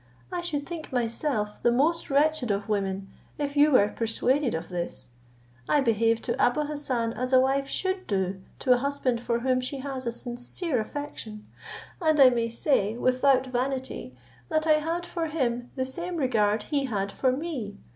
I should think myself the most wretched of women if you were persuaded of this. I behaved to Abou Hassan as a wife should do to a husband for whom she has a sincere affection; and I may say, without vanity, that I had for him the same regard he had for me.